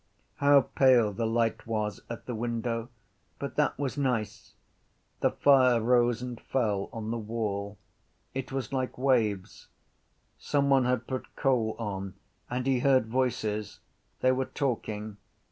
How pale the light was at the window! But that was nice. The fire rose and fell on the wall. It was like waves. Someone had put coal on and he heard voices. They were talking.